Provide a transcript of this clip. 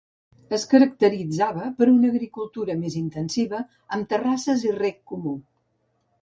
Es caracteritzava per una agricultura més intensiva, amb terrasses i reg comú.